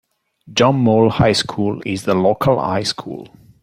John Mall High School is the local high school.